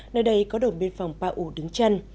nơi đây có đồn biên phòng pa u đứng chân